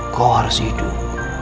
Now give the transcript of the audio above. kau harus hidup